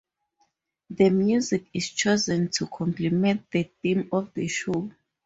The music is chosen to complement the theme of the show.